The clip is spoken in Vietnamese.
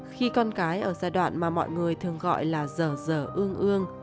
khi con gái ở giai đoạn mà mọi người thường gọi là dờ dờ ưu